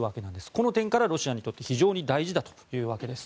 この点からロシアにとって非常に大事だというわけです。